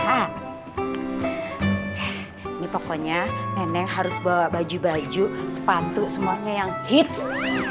eh ini pokoknya nenek harus bawa baju baju sepatu semuanya yang hits